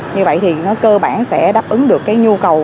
như vậy thì nó cơ bản sẽ đáp ứng được cái nhu cầu